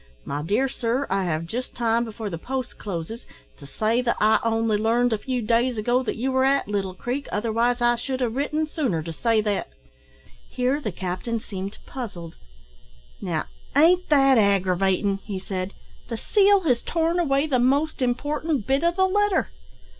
"My Dear Sir, I have just time before the post closes, to say that I only learned a few days ago that you were at Little Creek, otherwise I should have written sooner, to say that " Here the captain seemed puzzled. "Now, ain't that aggravatin'?" he said; "the seal has torn away the most important bit o' the letter.